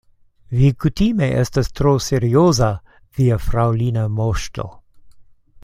Vi kutime estas tro serioza, via fraŭlina moŝto.